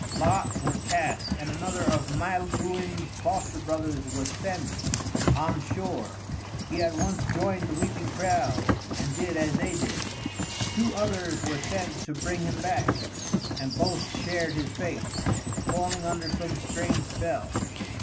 Lots were cast, and another of Maelduin's foster brothers was sent on shore. He at once joined the weeping crowd, and did as they did. Two others were sent to bring him back, and both shared his fate, falling under some strange spell.